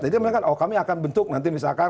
jadi mereka oh kami akan bentuk nanti misalkan